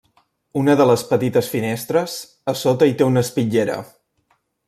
Una de les petites finestres, a sota hi té una espitllera.